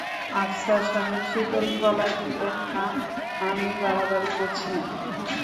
আফসার সাহেব শীতল গলায় বললেন, না, আমি বাড়াবাড়ি করছি না।